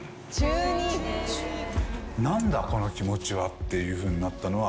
っていうふうになったのは。